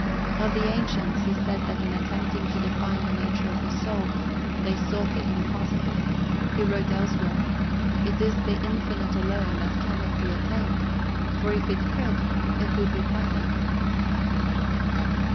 Of the ancients he said that in attempting to define the nature of the soul, they sought the impossible. He wrote elsewhere, "It is the infinite alone that cannot be attained, for if it could it would become finite."